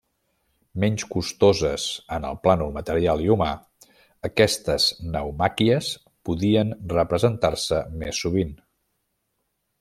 Menys costoses en el plànol material i humà, aquestes naumàquies podien representar-se més sovint.